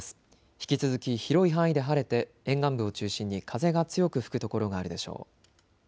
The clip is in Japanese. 引き続き広い範囲で晴れて沿岸部を中心に風が強く吹く所があるでしょう。